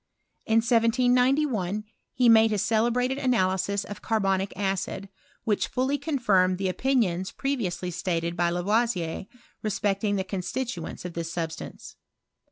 In 1791 he made' celebrated analysis of carbonic acid, which fi confirmed the opinions previously stated by Lavoi respecting the constituents of this substance.